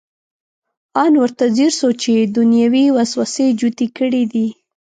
ان ورته ځیر شو چې دنیوي وسوسې جوتې کړې دي.